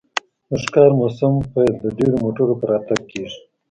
د ښکار موسم پیل د ډیرو موټرو په راتګ کیږي